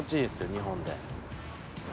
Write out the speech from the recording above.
日本で。